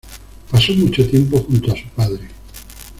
Pasó mucho tiempo junto a su padre.